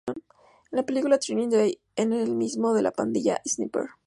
En la película "Training Day" es el miembro de la pandilla "Sniper".